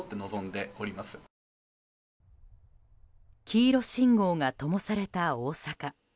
黄色信号がともされた大阪。